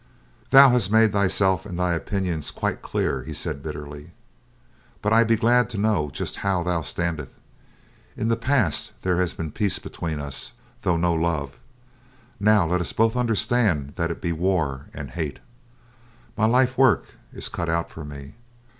"Thou hast made thyself and thy opinions quite clear," he said bitterly, "but I be glad to know just how thou standeth. In the past there has been peace between us, though no love; now let us both understand that it be war and hate. My life work is cut out for me.